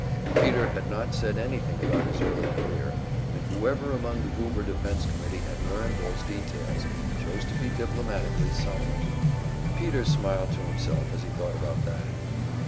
Peter had not said anything about his early career, and whoever among the Goober Defense Committee had learned those details chose to be diplomatically silent. Peter smiled to himself as he thought about that.